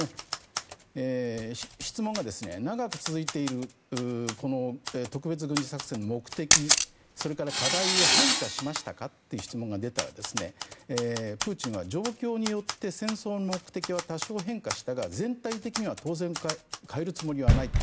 質問が、長く続いている特別軍事作戦の目的それから課題は変化しましたか？という質問が出たらプーチンは状況によって戦争の目的は多少変化したが全体的には当然変えるつもりはないと。